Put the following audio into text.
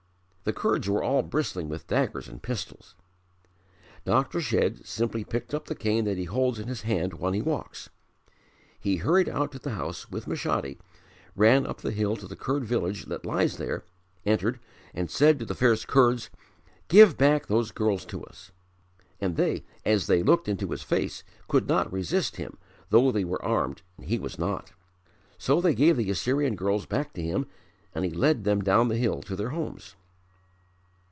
The Kurds were all bristling with daggers and pistols. Dr. Shedd simply picked up the cane that he holds in his hand when he walks. He hurried out of the house with Meshadi, ran up the hill to the Kurd village that lies there, entered, said to the fierce Kurds, 'Give back those girls to us.' And they, as they looked into his face, could not resist him though they were armed and he was not. So they gave the Assyrian girls back to him and he led them down the hill to their homes."